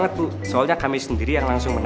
gue jahat kenapa lagi sih